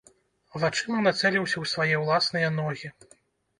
Вачыма нацэліўся ў свае ўласныя ногі.